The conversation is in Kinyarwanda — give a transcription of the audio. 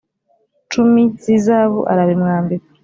cumi z izahabu arabimwambika